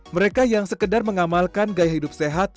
mereka yang sekedar mengamalkan gaya hidup sehat